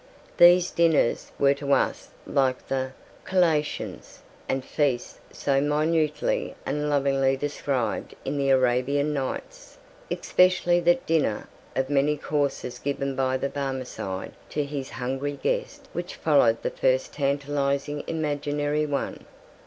These dinners were to us like the "collations" and feasts so minutely and lovingly described in the Arabian Nights, especially that dinner of many courses given by the Barmecide to his hungry guest which followed the first tantalizing imaginary one.